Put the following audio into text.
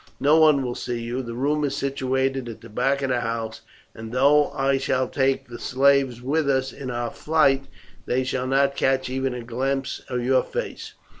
"No one will see you. The room is situated at the back of the house, and though I shall take the slaves with us in our flight, they shall not catch even a glimpse of your face.